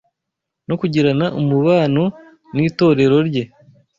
no kugirana umubano n’itorero rye